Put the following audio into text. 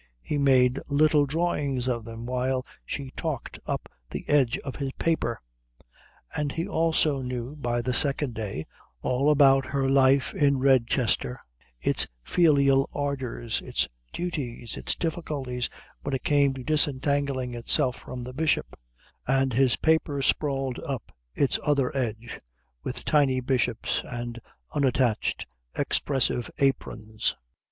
He made little drawings of them while she talked up the edge of his paper. And he also knew, by the second day, all about her life in Redchester, its filial ardours, its duties, its difficulties when it came to disentangling itself from the Bishop; and his paper sprawled up its other edge with tiny bishops and unattached, expressive aprons.